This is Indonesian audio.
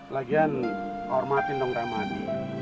lagian hormatin dong ramadi